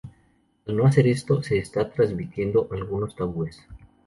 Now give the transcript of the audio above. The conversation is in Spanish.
Al no hacer esto, se está transmitiendo los antiguos tabúes.